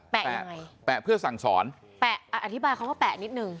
ยังไงแปะเพื่อสั่งสอนแปะอธิบายคำว่าแปะนิดนึง